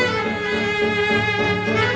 aku mau denger